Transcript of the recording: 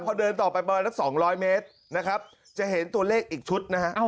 ผมเดินต่อไปประมาณนัก๒๐๐เมตรจะเห็นตัวเลขอีกชุดนะครับ